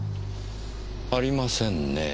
ありませんねぇ。